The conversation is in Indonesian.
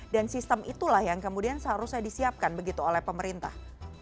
dan sistem itulah yang kemudian seharusnya disiapkan begitu oleh pemerintah